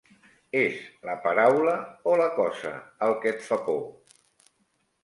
És la paraula o la cosa, el que et fa por?